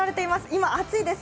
今、暑いです。